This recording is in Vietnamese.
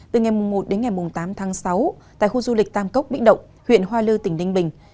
từ ngày một đến ngày tám tháng sáu tại khu du lịch tam cốc bích động huyện hoa lư tỉnh ninh bình